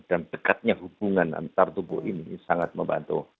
dan dekatnya hubungan antar tubuh ini sangat membantu